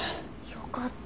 よかった。